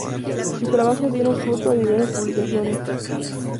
Sus trabajos dieron fruto a diversas publicaciones.